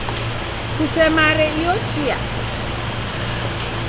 Kusemare iyo chia